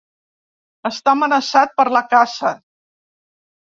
Està amenaçat per la caça.